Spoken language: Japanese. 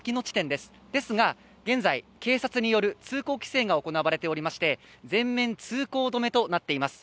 ですが、現在、警察による通行規制が行われておりまして、全面通行止めとなっています。